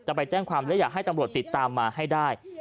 ไปแจ้งความและอยากให้ตำรวจติดตามมาให้ได้